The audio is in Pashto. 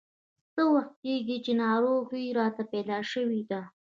څه وخت کېږي چې ناروغي راته پیدا شوې ده.